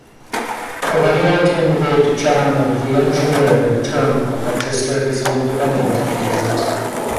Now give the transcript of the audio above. Perennial candidate John "The Engineer" Turmel registered as an Independent candidate.